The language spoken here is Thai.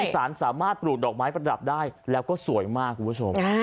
สารสามารถปลูกดอกไม้ประดับได้แล้วก็สวยมากคุณผู้ชม